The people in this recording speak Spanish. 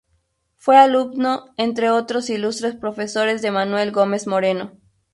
Fue alumno, entre otros ilustres profesores de Manuel Gómez-Moreno.